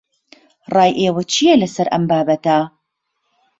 ڕای ئێوە چییە لەسەر ئەم بابەتە؟